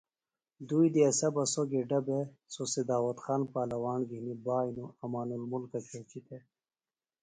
دوئی دیسہ بہ سوۡ گِڈہ بےۡ سو سِداوت خان پالواݨ گِھنیۡ بائنوۡ امان المُلکہ کیچیۡ تھےۡ